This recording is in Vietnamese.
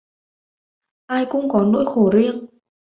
Ai cũng có nỗi khổ riêng